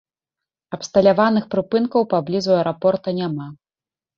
Абсталяваных прыпынкаў паблізу аэрапорта няма.